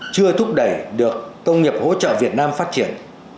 chưa thúc đẩy được công nghiệp hỗ trợ việt nam phát triển